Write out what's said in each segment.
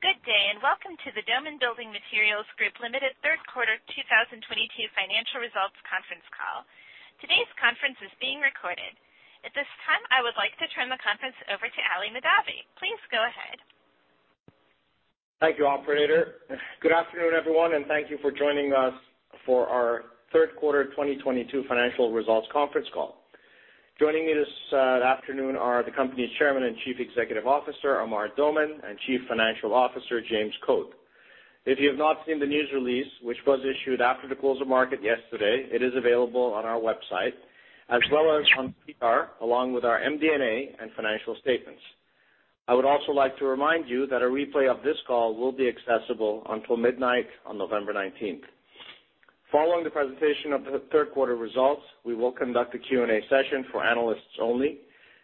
Good day, and welcome to the Doman Building Materials Group Ltd. Third Quarter 2022 Financial Results Conference Call. Today's conference is being recorded. At this time, I would like to turn the conference over to Ali Mahdavi. Please go ahead. Thank you, operator. Good afternoon, everyone, and thank you for joining us for our third quarter 2022 financial results conference call. Joining me this afternoon are the company's Chairman and Chief Executive Officer, Amar Doman, and Chief Financial Officer, James Code. If you have not seen the news release, which was issued after the close of market yesterday, it is available on our website as well as on SEDAR, along with our MD&A and financial statements. I would also like to remind you that a replay of this call will be accessible until midnight on November nineteenth. Following the presentation of the third quarter results, we will conduct a Q&A session for analysts only.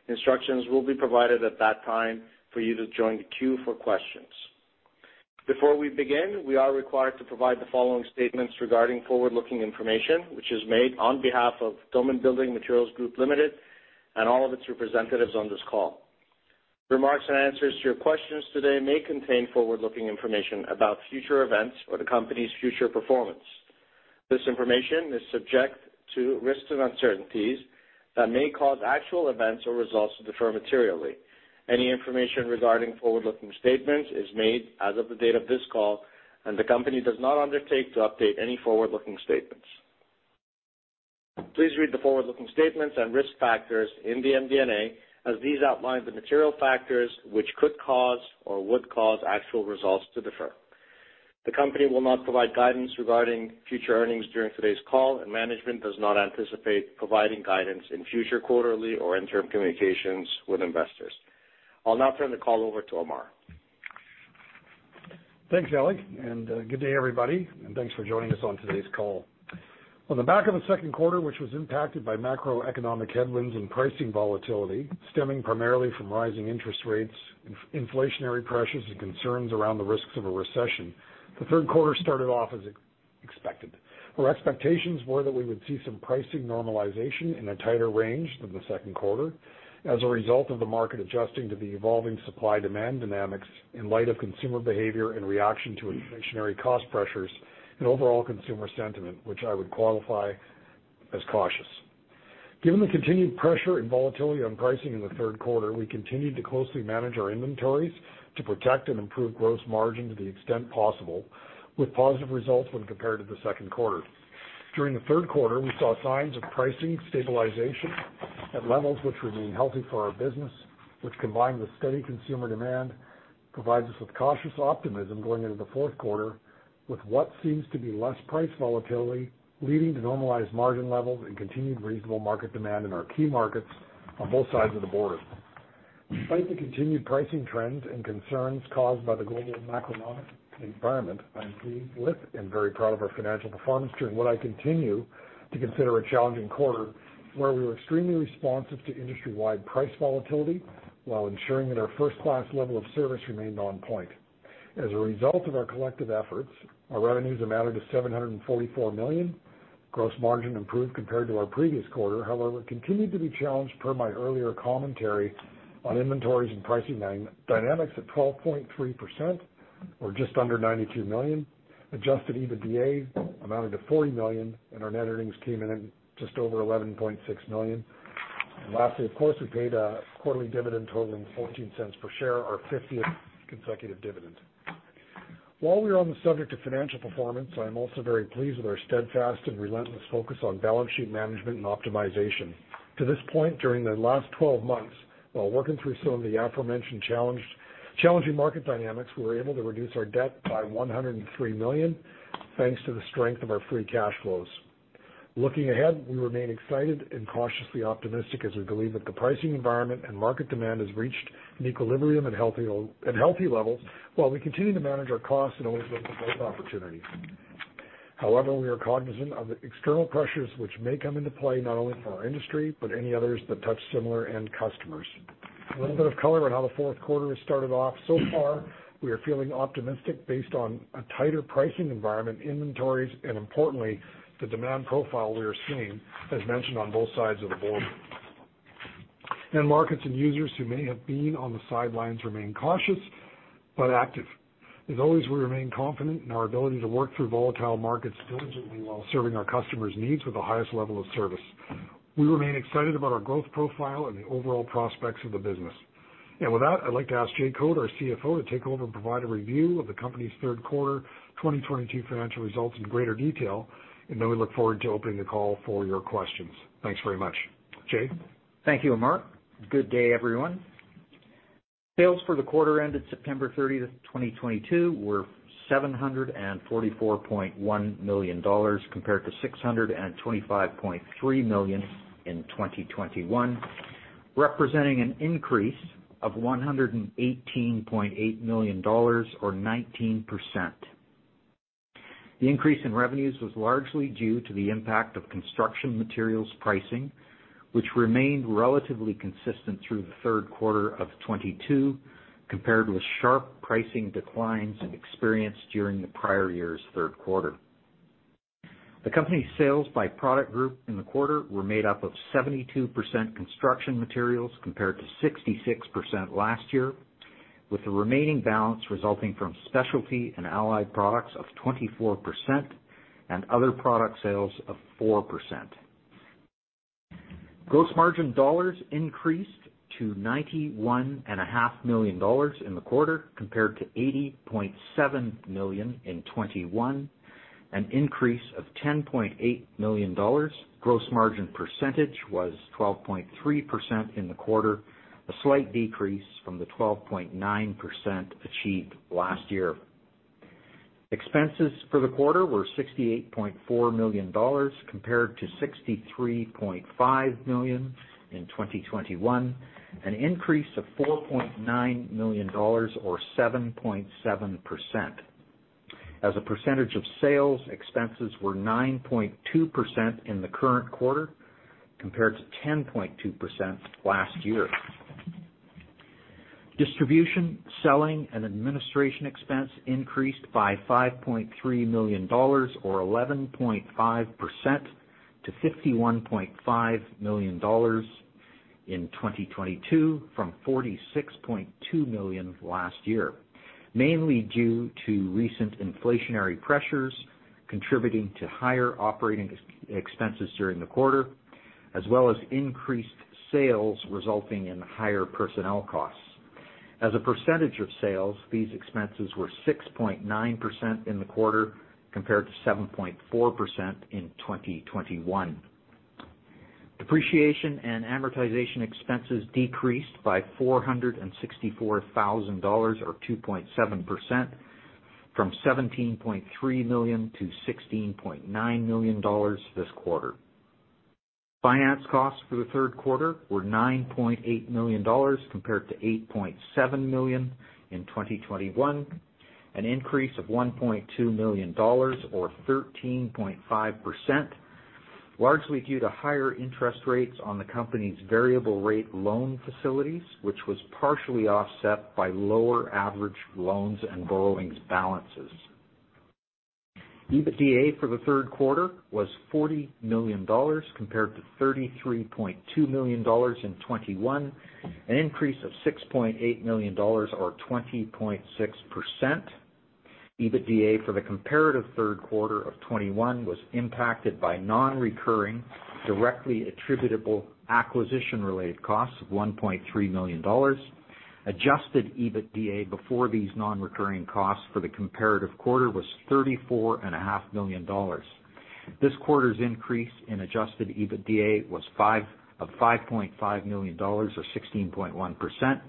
Instructions will be provided at that time for you to join the queue for questions. Before we begin, we are required to provide the following statements regarding forward-looking information, which is made on behalf of Doman Building Materials Group Ltd. and all of its representatives on this call. Remarks and answers to your questions today may contain forward-looking information about future events or the company's future performance. This information is subject to risks and uncertainties that may cause actual events or results to differ materially. Any information regarding forward-looking statements is made as of the date of this call, and the company does not undertake to update any forward-looking statements. Please read the forward-looking statements and risk factors in the MD&A as these outline the material factors which could cause or would cause actual results to differ. The company will not provide guidance regarding future earnings during today's call, and management does not anticipate providing guidance in future quarterly or interim communications with investors. I'll now turn the call over to Amar. Thanks, Ali, and good day, everybody, and thanks for joining us on today's call. On the back of the second quarter, which was impacted by macroeconomic headwinds and pricing volatility stemming primarily from rising interest rates, inflationary pressures and concerns around the risks of a recession, the third quarter started off as expected. Our expectations were that we would see some pricing normalization in a tighter range than the second quarter as a result of the market adjusting to the evolving supply-demand dynamics in light of consumer behavior in reaction to inflationary cost pressures and overall consumer sentiment, which I would qualify as cautious. Given the continued pressure and volatility on pricing in the third quarter, we continued to closely manage our inventories to protect and improve gross margin to the extent possible, with positive results when compared to the second quarter. During the third quarter, we saw signs of pricing stabilization at levels which remain healthy for our business, which combined with steady consumer demand, provides us with cautious optimism going into the fourth quarter with what seems to be less price volatility, leading to normalized margin levels and continued reasonable market demand in our key markets on both sides of the border. Despite the continued pricing trends and concerns caused by the global macroeconomic environment, I am pleased with and very proud of our financial performance during what I continue to consider a challenging quarter, where we were extremely responsive to industry-wide price volatility while ensuring that our first-class level of service remained on point. As a result of our collective efforts, our revenues amounted to 744 million. Gross margin improved compared to our previous quarter, however, continued to be challenged per my earlier commentary on inventories and pricing dynamics at 12.3% or just under 92 million. Adjusted EBITDA amounted to 40 million and our net earnings came in at just over 11.6 million. Lastly, of course, we paid a quarterly dividend totaling 0.14 per share, our 50th consecutive dividend. While we are on the subject of financial performance, I am also very pleased with our steadfast and relentless focus on balance sheet management and optimization. To this point, during the last 12 months, while working through some of the aforementioned challenging market dynamics, we were able to reduce our debt by 103 million, thanks to the strength of our free cash flows. Looking ahead, we remain excited and cautiously optimistic as we believe that the pricing environment and market demand has reached an equilibrium at healthy levels while we continue to manage our costs and always look for growth opportunities. However, we are cognizant of the external pressures which may come into play not only for our industry but any others that touch similar end customers. A little bit of color on how the fourth quarter has started off so far. We are feeling optimistic based on a tighter pricing environment, inventories, and importantly, the demand profile we are seeing, as mentioned on both sides of the border. End markets and users who may have been on the sidelines remain cautious but active. As always, we remain confident in our ability to work through volatile markets diligently while serving our customers' needs with the highest level of service. We remain excited about our growth profile and the overall prospects of the business. With that, I'd like to ask Jay Code, our CFO, to take over and provide a review of the company's third quarter 2022 financial results in greater detail. Then we look forward to opening the call for your questions. Thanks very much. Jay? Thank you, Amar. Good day, everyone. Sales for the quarter ended September 30, 2022 were 744.1 million dollars compared to 625.3 million in 2021, representing an increase of 118.8 million dollars or 19%. The increase in revenues was largely due to the impact of construction materials pricing, which remained relatively consistent through the third quarter of 2022, compared with sharp pricing declines experienced during the prior year's third quarter. The company's sales by product group in the quarter were made up of 72% construction materials compared to 66% last year, with the remaining balance resulting from specialty and allied products of 24% and other product sales of 4%. Gross margin dollars increased to 91.5 million dollars in the quarter compared to 80.7 million in 2021, an increase of 10.8 million dollars. Gross margin percentage was 12.3% in the quarter, a slight decrease from the 12.9% achieved last year. Expenses for the quarter were 68.4 million dollars compared to 63.5 million in 2021, an increase of 4.9 million dollars or 7.7%. As a percentage of sales, expenses were 9.2% in the current quarter compared to 10.2% last year. Distribution, selling and administration expense increased by CAD 5.3 million or 11.5% to CAD 51.5 million in 2022 from CAD 46.2 million last year, mainly due to recent inflationary pressures contributing to higher operating expenses during the quarter, as well as increased sales resulting in higher personnel costs. As a percentage of sales, these expenses were 6.9% in the quarter compared to 7.4% in 2021. Depreciation and amortization expenses decreased by 464,000 dollars or 2.7% from 17.3 million to 16.9 million dollars this quarter. Finance costs for the third quarter were 9.8 million dollars compared to 8.7 million in 2021, an increase of 1.2 million dollars or 13.5%, largely due to higher interest rates on the company's variable rate loan facilities, which was partially offset by lower average loans and borrowings balances. EBITDA for the third quarter was 40 million dollars compared to 33.2 million dollars in 2021, an increase of 6.8 million dollars or 20.6%. EBITDA for the comparative third quarter of 2021 was impacted by non-recurring, directly attributable acquisition-related costs of 1.3 million dollars. Adjusted EBITDA before these non-recurring costs for the comparative quarter was 34.5 million dollars. This quarter's increase in adjusted EBITDA was 5.5 million dollars or 16.1%,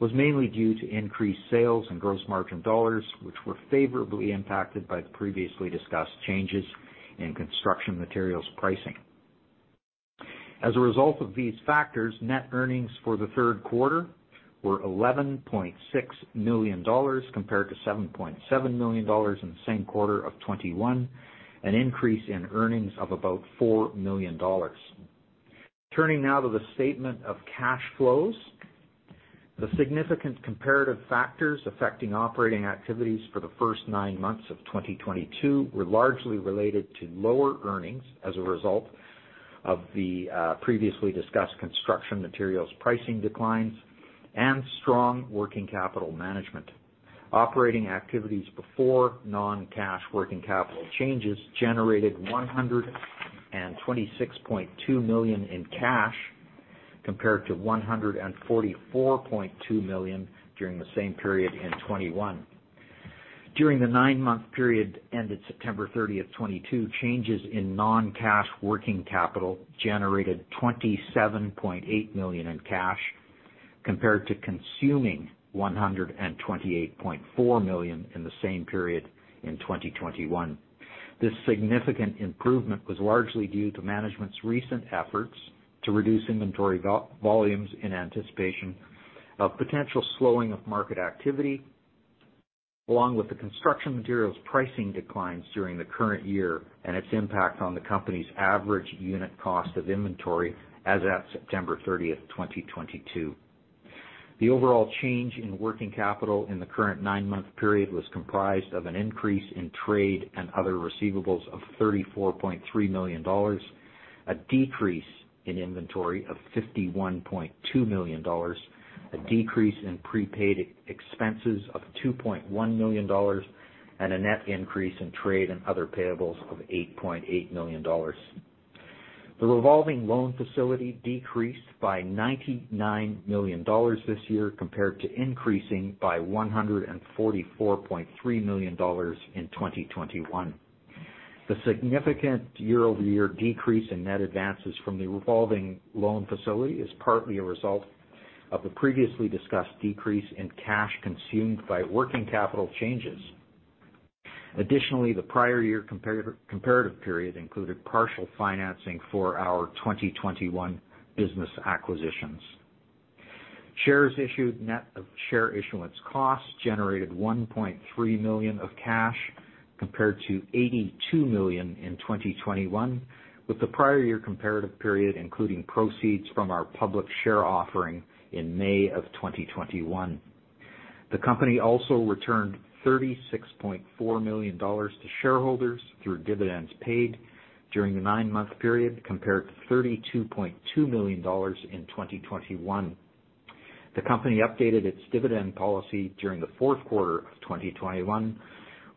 was mainly due to increased sales and gross margin dollars, which were favorably impacted by the previously discussed changes in construction materials pricing. As a result of these factors, net earnings for the third quarter were 11.6 million dollars compared to 7.7 million dollars in the same quarter of 2021, an increase in earnings of about 4 million dollars. Turning now to the statement of cash flows. The significant comparative factors affecting operating activities for the first nine months of 2022 were largely related to lower earnings as a result of the previously discussed construction materials pricing declines and strong working capital management. Operating activities before non-cash working capital changes generated 126.2 million in cash compared to 144.2 million during the same period in 2021. During the nine-month period ended September 30, 2022, changes in non-cash working capital generated 27.8 million in cash compared to consuming 128.4 million in the same period in 2021. This significant improvement was largely due to management's recent efforts to reduce inventory volumes in anticipation of potential slowing of market activity, along with the construction materials pricing declines during the current year and its impact on the company's average unit cost of inventory as at September 30, 2022. The overall change in working capital in the current nine-month period was comprised of an increase in trade and other receivables of 34.3 million dollars, a decrease in inventory of 51.2 million dollars, a decrease in prepaid expenses of 2.1 million dollars, and a net increase in trade and other payables of 8.8 million dollars. The revolving loan facility decreased by 99 million dollars this year compared to increasing by 144.3 million dollars in 2021. The significant year-over-year decrease in net advances from the revolving loan facility is partly a result of the previously discussed decrease in cash consumed by working capital changes. Additionally, the prior year comparative period included partial financing for our 2021 business acquisitions. Shares issued, net of share issuance costs, generated 1.3 million of cash compared to 82 million in 2021, with the prior year comparative period including proceeds from our public share offering in May of 2021. The company also returned 36.4 million dollars to shareholders through dividends paid during the nine-month period compared to 32.2 million dollars in 2021. The company updated its dividend policy during the fourth quarter of 2021,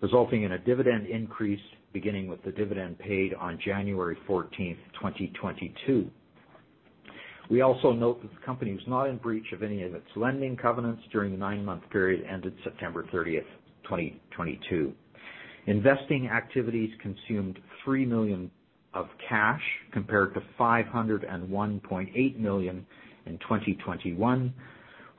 resulting in a dividend increase beginning with the dividend paid on January fourteenth, 2022. We also note that the company was not in breach of any of its lending covenants during the nine-month period ended September thirtieth, 2022. Investing activities consumed 3 million of cash compared to 501.8 million in 2021,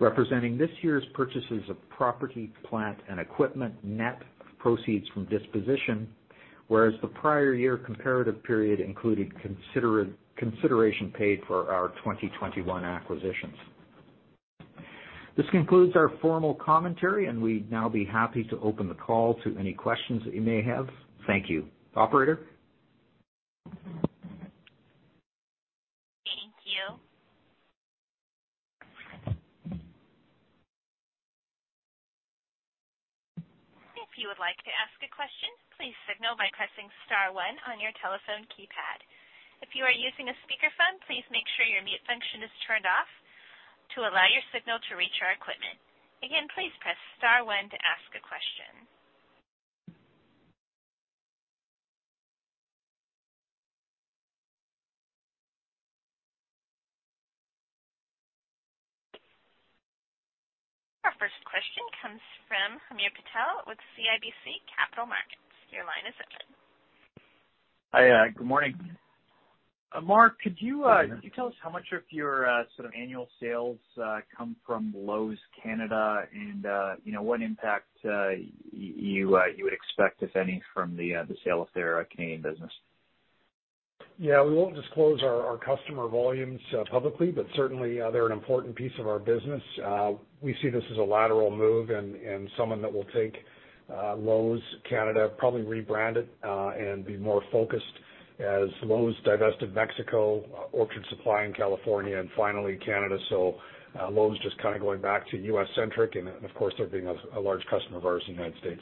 representing this year's purchases of property, plant and equipment net of proceeds from disposition, whereas the prior year comparative period included consideration paid for our 2021 acquisitions. This concludes our formal commentary, and we'd now be happy to open the call to any questions that you may have. Thank you. Operator? Thank you. If you would like to ask a question, please signal by pressing star one on your telephone keypad. If you are using a speakerphone, please make sure your mute function is turned off to allow your signal to reach our equipment. Again, please press star one to ask a question. Our first question comes from Hamir Patel with CIBC Capital Markets. Your line is open. Hi, good morning. Mark, could you tell us how much of your sort of annual sales come from Lowe's Canada and, you know, what impact you would expect, if any, from the sale of their Canadian business? Yeah, we won't disclose our customer volumes publicly, but certainly, they're an important piece of our business. We see this as a lateral move and someone that will take Lowe's Canada, probably rebrand it and be more focused as Lowe's divested Mexico, Orchard Supply in California and finally Canada. Lowe's just kind of going back to U.S.-centric and of course they're being a large customer of ours in the United States.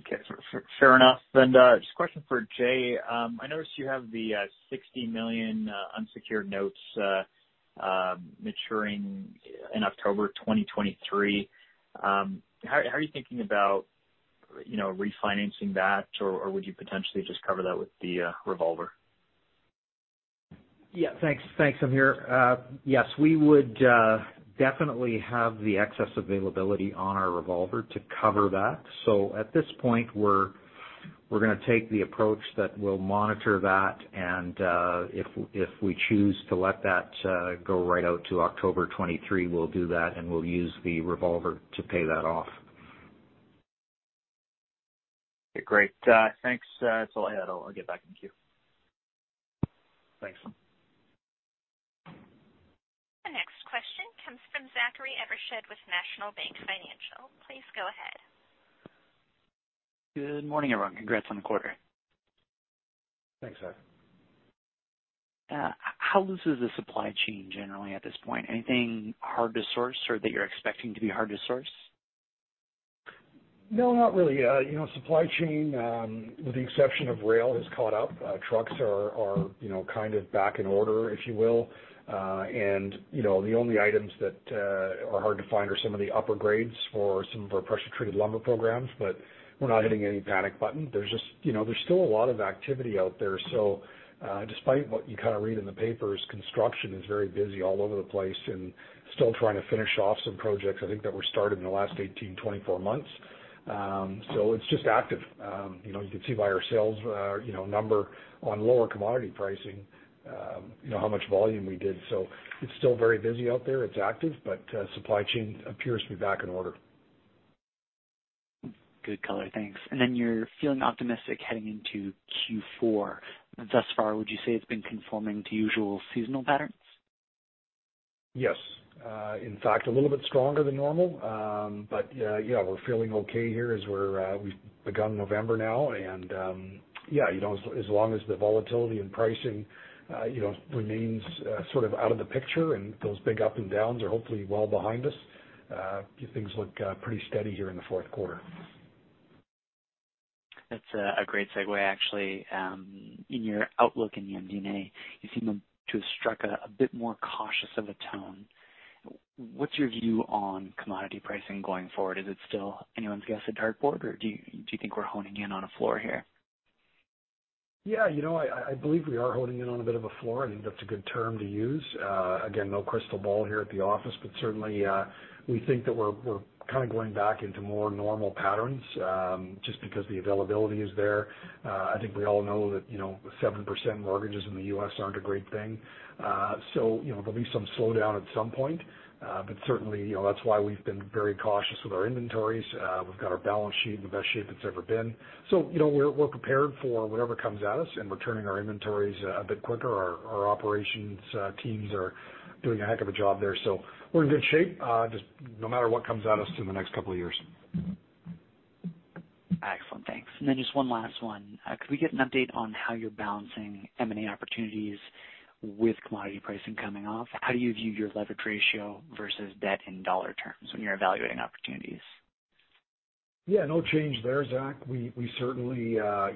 Okay. Fair enough. Just a question for Jay. I noticed you have the 60 million unsecured notes maturing in October 2023. How are you thinking about, you know, refinancing that or would you potentially just cover that with the revolver? Yeah. Thanks. Thanks, Hamir. Yes, we would definitely have the excess availability on our revolver to cover that. At this point we're gonna take the approach that we'll monitor that and if we choose to let that go right out to October 2023, we'll do that, and we'll use the revolver to pay that off. Okay, great. Thanks. That's all I had. I'll get back in the queue. Thanks. The next question comes from Zachary Evershed with National Bank Financial. Please go ahead. Good morning, everyone. Congrats on the quarter. Thanks, Zach. How loose is the supply chain generally at this point? Anything hard to source or that you're expecting to be hard to source? No, not really. You know, supply chain, with the exception of rail, has caught up. Trucks are, you know, kind of back in order, if you will. You know, the only items that are hard to find are some of the upper grades for some of our pressure treated lumber programs, but we're not hitting any panic button. There's just, you know, there's still a lot of activity out there. Despite what you kind of read in the papers, construction is very busy all over the place and still trying to finish off some projects I think that were started in the last 18, 24 months. It's just active. You know, you can see by our sales, you know, number on lower commodity pricing, you know, how much volume we did. It's still very busy out there. It's active, but supply chain appears to be back in order. Good color. Thanks. You're feeling optimistic heading into Q4. Thus far would you say it's been conforming to usual seasonal patterns? Yes. In fact, a little bit stronger than normal. Yeah, we're feeling okay here as we've begun November now and, yeah, you know, as long as the volatility and pricing you know remains sort of out of the picture and those big up and downs are hopefully well behind us, things look pretty steady here in the fourth quarter. That's a great segue actually. In your outlook in the MD&A, you seem to have struck a bit more cautious of a tone. What's your view on commodity pricing going forward? Is it still anyone's guess at a dartboard, or do you think we're honing in on a floor here? Yeah, you know, I believe we are honing in on a bit of a floor. I think that's a good term to use. Again, no crystal ball here at the office, but certainly, we think that we're kind of going back into more normal patterns, just because the availability is there. I think we all know that, you know, 7% mortgages in the U.S. aren't a great thing. You know, there'll be some slowdown at some point, but certainly, you know, that's why we've been very cautious with our inventories. We've got our balance sheet in the best shape it's ever been. You know, we're prepared for whatever comes at us, and we're turning our inventories a bit quicker. Our operations teams are doing a heck of a job there. We're in good shape, just no matter what comes at us in the next couple of years. Just one last one. Could we get an update on how you're balancing M&A opportunities with commodity pricing coming off? How do you view your leverage ratio versus debt in dollar terms when you're evaluating opportunities? Yeah, no change there, Zach. We certainly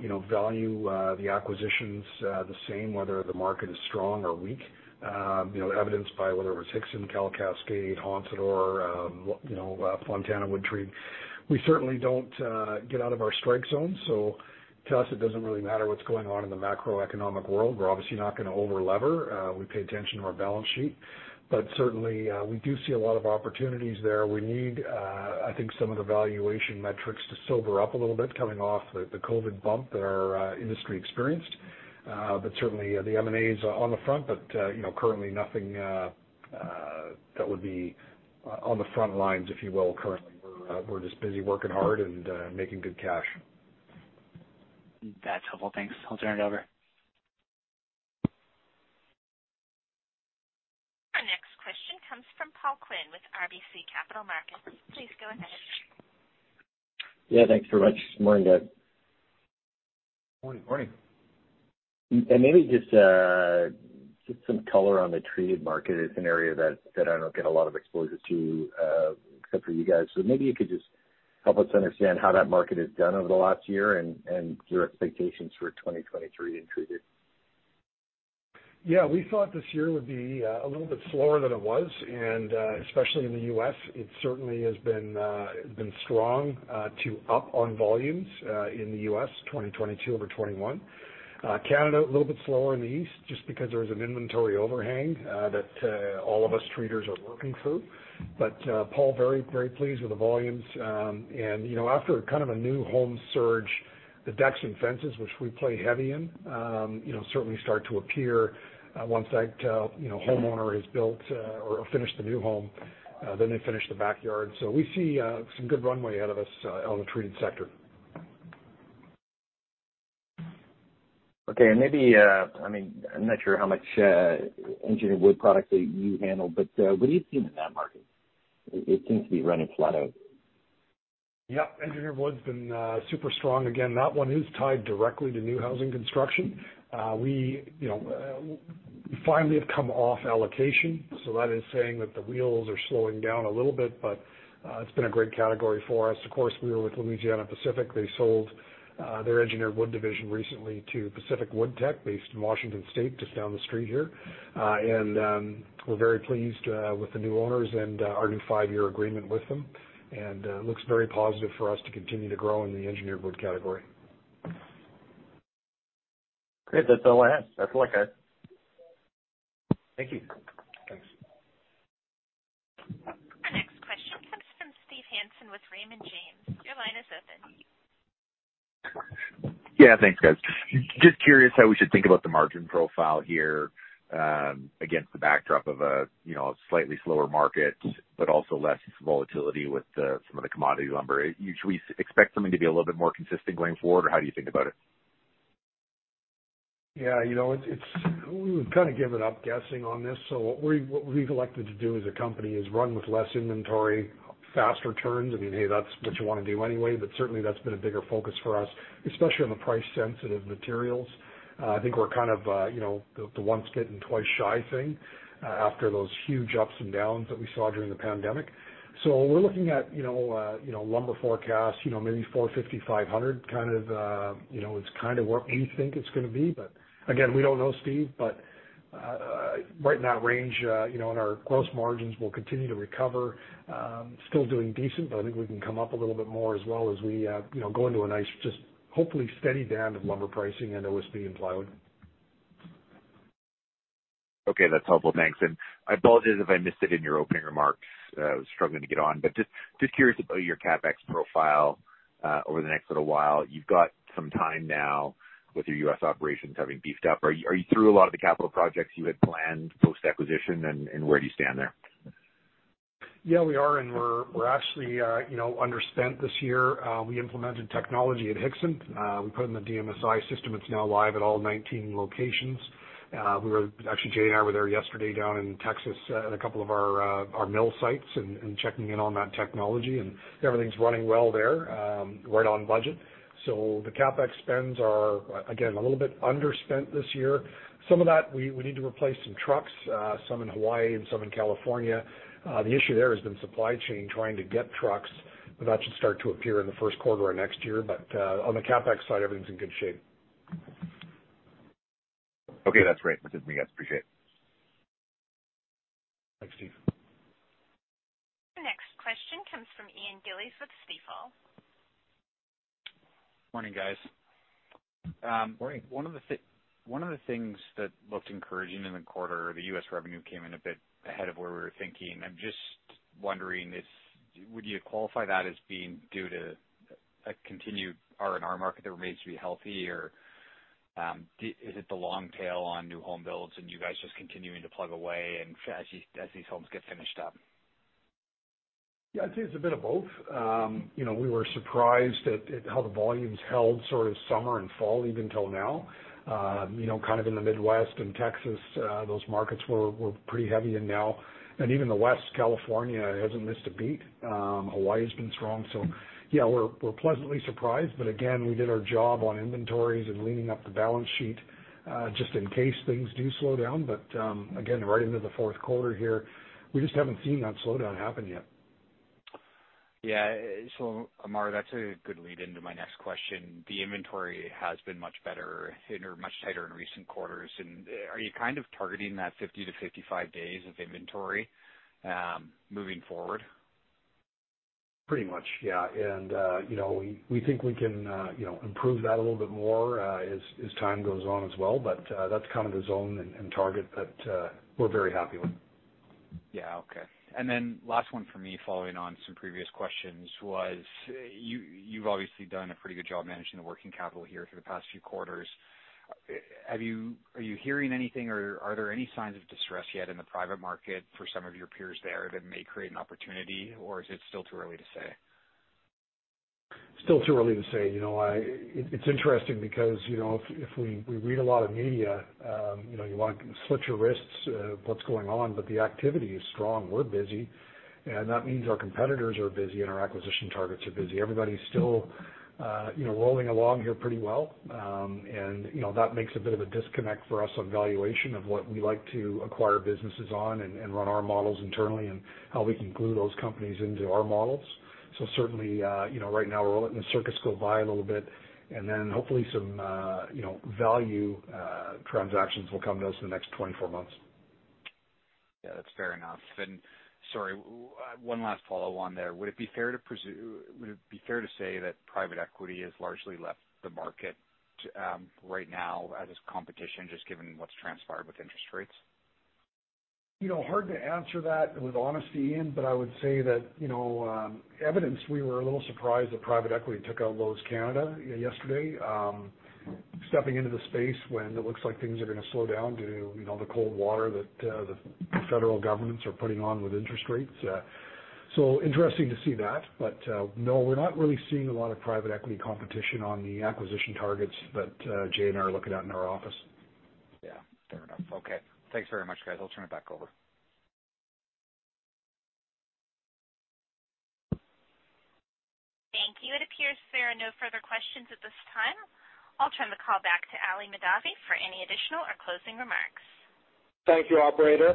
you know, value the acquisitions the same whether the market is strong or weak. You know, evidenced by whether it was Hixson, California Cascade, Honsador, you know, Fontana Wood Treatment. We certainly don't get out of our strike zone, so to us it doesn't really matter what's going on in the macroeconomic world. We're obviously not gonna over-lever. We pay attention to our balance sheet. But certainly, we do see a lot of opportunities there. We need, I think some of the valuation metrics to simmer up a little bit coming off the COVID bump that our industry experienced. But certainly the M&A is on the front burner, but you know, currently nothing that would be on the front lines, if you will, currently. We're just busy working hard and making good cash. That's helpful. Thanks. I'll turn it over. Our next question comes from Paul Quinn with RBC Capital Markets. Please go ahead. Yeah, thanks very much. Morning, Doug. Morning. Maybe just some color on the treated market. It's an area that I don't get a lot of exposure to, except for you guys. Maybe you could just help us understand how that market has done over the last year and your expectations for 2023 in treated. Yeah. We thought this year would be a little bit slower than it was and especially in the U.S., it certainly has been strong, too, up on volumes in the U.S. 2022 over 2021. Canada, a little bit slower in the east just because there was an inventory overhang that all of us treaters are working through. Paul, very, very pleased with the volumes. You know, after kind of a new home surge, the decks and fences, which we play heavy in, you know, certainly start to appear once that, you know, homeowner has built or finished the new home, then they finish the backyard. We see some good runway ahead of us on the treated sector. Okay. Maybe, I mean, I'm not sure how much engineered wood products that you handle, but what are you seeing in that market? It seems to be running flat out. Yeah. Engineered wood's been super strong. Again, that one is tied directly to new housing construction. We, you know, finally have come off allocation, so that is saying that the wheels are slowing down a little bit, but it's been a great category for us. Of course, we were with Louisiana-Pacific. They sold their engineered wood division recently to Pacific Woodtech based in Washington State, just down the street here. We're very pleased with the new owners and our new five-year agreement with them. Looks very positive for us to continue to grow in the engineered wood category. Great. That's all I had. Best of luck, guys. Thank you. Thanks. Our next question comes from Steve Hansen with Raymond James. Your line is open. Yeah. Thanks, guys. Just curious how we should think about the margin profile here, against the backdrop of a, you know, a slightly slower market, but also less volatility with some of the commodity lumber. Should we expect something to be a little bit more consistent going forward, or how do you think about it? Yeah, you know, it's. We've kind of given up guessing on this, so what we've elected to do as a company is run with less inventory, faster turns. I mean, hey, that's what you wanna do anyway, but certainly that's been a bigger focus for us, especially on the price sensitive materials. I think we're kind of, you know, the once bitten, twice shy thing, after those huge ups and downs that we saw during the pandemic. We're looking at, you know, you know, lumber forecasts, you know, maybe $450-$500, kind of, you know, it's kind of what we think it's gonna be. Again, we don't know, Steve. Right in that range, you know, and our gross margins will continue to recover. Still doing decent, but I think we can come up a little bit more as well as we, you know, go into a nice, just hopefully steady down of lumber pricing and OSB and plywood. Okay. That's helpful. Thanks. I apologize if I missed it in your opening remarks. I was struggling to get on, but just curious about your CapEx profile over the next little while. You've got some time now with your U.S. operations having beefed up. Are you through a lot of the capital projects you had planned post-acquisition, and where do you stand there? Yeah, we're actually, you know, underspent this year. We implemented technology at Hixson. We put in the DMSI system. It's now live at all 19 locations. Actually, Jay and I were there yesterday down in Texas, at a couple of our mill sites and checking in on that technology, and everything's running well there, right on budget. So the CapEx spends are, again, a little bit underspent this year. Some of that, we need to replace some trucks, some in Hawaii and some in California. The issue there has been supply chain trying to get trucks, but that should start to appear in the first quarter of next year. On the CapEx side, everything's in good shape. Okay, that's great. That's it from me, guys. Appreciate it. Thanks, Steve. The next question comes from Ian Gillies with Stifel. Morning, guys. Morning. One of the things that looked encouraging in the quarter, the U.S. revenue came in a bit ahead of where we were thinking. I'm just wondering if would you qualify that as being due to a continued R&R market that remains to be healthy or, is it the long tail on new home builds and you guys just continuing to plug away and as these homes get finished up? Yeah, I'd say it's a bit of both. You know, we were surprised at how the volumes held sort of summer and fall even till now. You know, kind of in the Midwest and Texas, those markets were pretty heavy, and now even the West, California hasn't missed a beat. Hawaii's been strong. Yeah, we're pleasantly surprised, but again, we did our job on inventories and cleaning up the balance sheet, just in case things do slow down. Again, right into the fourth quarter here, we just haven't seen that slowdown happen yet. Yeah. Amar, that's a good lead into my next question. The inventory has been much better and/or much tighter in recent quarters. Are you kind of targeting that 50-55 days of inventory moving forward? Pretty much, yeah. You know, we think we can, you know, improve that a little bit more, as time goes on as well, but that's kind of the zone and target that we're very happy with. Yeah. Okay. Then last one for me, following on some previous questions, you've obviously done a pretty good job managing the working capital here for the past few quarters. Are you hearing anything or are there any signs of distress yet in the private market for some of your peers there that may create an opportunity, or is it still too early to say? Still too early to say. You know, it's interesting because, you know, if we read a lot of media, you know, you want to slit your wrists, what's going on, but the activity is strong. We're busy, and that means our competitors are busy and our acquisition targets are busy. Everybody's still, you know, rolling along here pretty well. You know, that makes a bit of a disconnect for us on valuation of what we like to acquire businesses on and run our models internally and how we can glue those companies into our models. So certainly, you know, right now we're letting the circus go by a little bit and then hopefully some, you know, value transactions will come to us in the next 24 months. Yeah, that's fair enough. Sorry, one last follow on there. Would it be fair to say that private equity has largely left the market, right now as competition just given what's transpired with interest rates? You know, hard to answer that with honesty, Ian, but I would say that, you know, evidently, we were a little surprised that private equity took out Lowe's Canada yesterday. Stepping into the space when it looks like things are gonna slow down due to, you know, the cold water that the federal government is putting on with interest rates. Interesting to see that. No, we're not really seeing a lot of private equity competition on the acquisition targets that Jay and I are looking at in our office. Yeah, fair enough. Okay. Thanks very much, guys. I'll turn it back over. Thank you. It appears there are no further questions at this time. I'll turn the call back to Ali Mahdavi for any additional or closing remarks. Thank you, operator.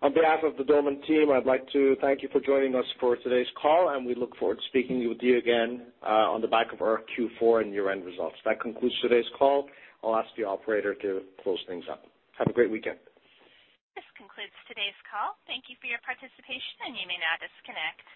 On behalf of the Doman team, I'd like to thank you for joining us for today's call, and we look forward to speaking with you again on the back of our Q4 and year-end results. That concludes today's call. I'll ask the operator to close things up. Have a great weekend. This concludes today's call. Thank you for your participation, and you may now disconnect.